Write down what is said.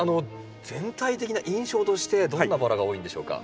全体的な印象としてどんなバラが多いんでしょうか？